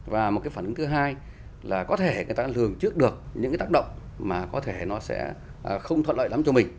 và một cái phản ứng thứ hai là có thể người ta lường trước được những cái tác động mà có thể nó sẽ không thuận lợi lắm cho mình